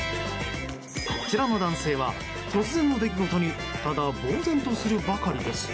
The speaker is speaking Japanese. こちらの男性は突然の出来事にただぼうぜんとするばかりです。